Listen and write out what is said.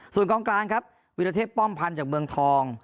ส่วนกองกลางครับวิรเทพป้อมพันธ์จากเมืองทอง